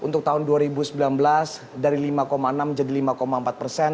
untuk tahun dua ribu sembilan belas dari lima enam menjadi lima empat persen